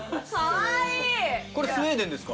海スウェーデンですか？